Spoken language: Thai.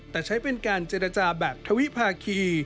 แต่ใช้เป็นการเจรจาแบบทวิภาคี